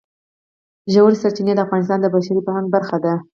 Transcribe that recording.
ژورې سرچینې د افغانستان د بشري فرهنګ برخه ده.